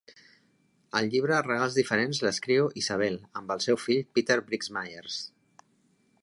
El llibre Regals diferents l'escriu Isabel amb el seu fill Peter Briggs Myers.